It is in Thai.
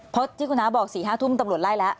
เพราะที่คุณน้าบอก๔๕ทุ่มตำรวจไล่แล้ว